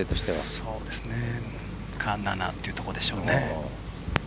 それか７というところでしょうね。